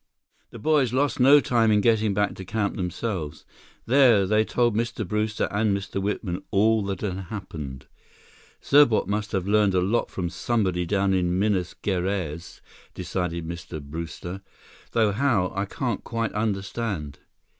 The boys lost no time in getting back to camp themselves. There, they told Mr. Brewster and Mr. Whitman all that had happened. "Serbot must have learned a lot from somebody down in Minas Geraes," decided Mr. Brewster, "though how, I can't quite understand.